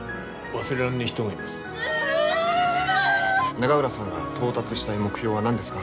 永浦さんが到達したい目標は何ですか？